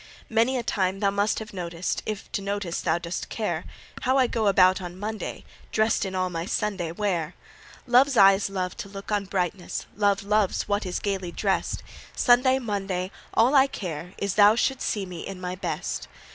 Many a time thou must have noticed If to notice thou dost care How I go about on Monday Dressed in all my Sunday wear. Love's eyes love to look on brightness; Love loves what is gaily drest; Sunday, Monday, all I care is Thou shouldst see me in my best.